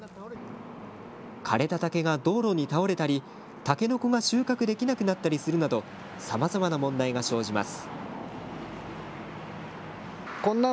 枯れた竹が道路に倒れたりタケノコが収穫できなくなったりするなどさまざまな問題が生じます。